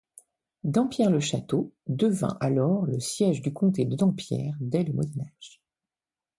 Dampierre-le-Château, devint alors le siège du comté de Dampierre dès le Moyen Âge.